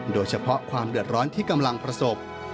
โดยเฉพาะความเดือดร้อนที่กำลังประสบ